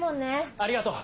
ありがとう。